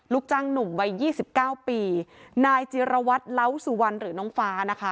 ลูกจังหนุ่มวัย๒๙ปีนายจิรวัตรล้าวสุวรรณหรือน้องฟ้านะคะ